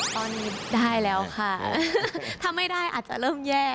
ตอนนี้ได้แล้วค่ะถ้าไม่ได้อาจจะเริ่มแย่